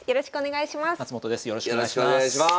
よろしくお願いします。